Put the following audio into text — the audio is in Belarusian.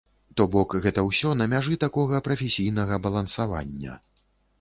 То бок, гэта ўсё на мяжы такога прафесійнага балансавання.